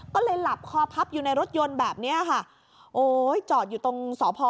ก็เลยหลับคอพับอยู่ในรถยนต์แบบเนี้ยค่ะโอ้ยจอดอยู่ตรงสพ